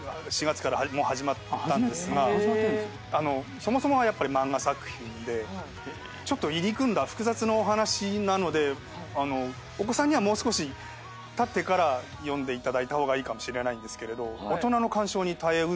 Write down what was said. そもそもがやっぱり漫画作品でちょっと入り組んだ複雑なお話なのでお子さんにはもう少したってから読んでいただいた方がいいかもしれないんですけれど。